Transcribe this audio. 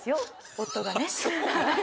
夫がね。